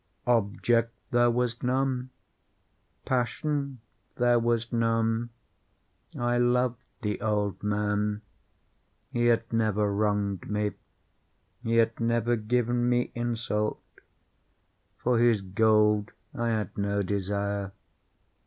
Object there was none. Passion there was none. I loved the old man. He had never wronged me. He had never given me insult. For his gold I had no desire.